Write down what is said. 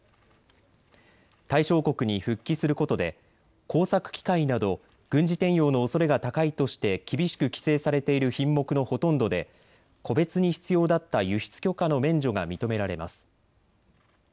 対象国に復帰することで工作機械など軍事転用のおそれが高いとして厳しく規制されている品目のほとんどで個別に必要だった輸出許可の免除が認められます。